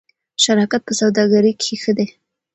شراکت په سوداګرۍ کې ښه دی.